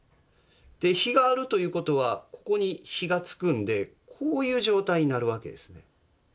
樋があるという事はここに樋がつくんでこういう状態になる訳ですね。